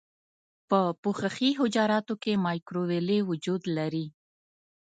په پوښښي حجراتو کې مایکروویلې وجود لري.